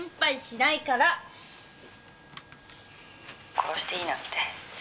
「殺していいなんて」